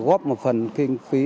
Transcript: để góp một phần kinh phí